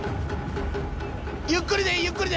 ゆっくりでいいゆっくりで。